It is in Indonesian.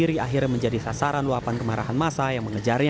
diri akhirnya menjadi sasaran luapan kemarahan masa yang mengejarnya